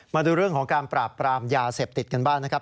มาดูเรื่องของการปราบปรามยาเสพติดกันบ้างนะครับ